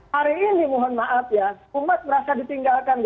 hari ini mohon maaf ya umat merasa ditinggalkan